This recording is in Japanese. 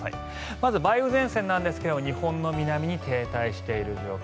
まず梅雨前線なんですが日本の南に停滞している状況。